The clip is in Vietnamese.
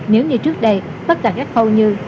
nếu như trước đây tất cả các khâu như